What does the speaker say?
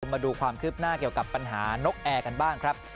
มาดูความคืบหน้าเกี่ยวกับปัญหานกแอร์กันบ้างครับ